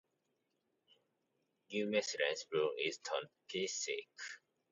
New methylene blue is toxic.